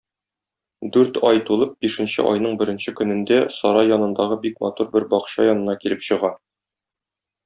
Дүрт ай тулып, бишенче айның беренче көнендә сарай янындагы бик матур бер бакча янына килеп чыга.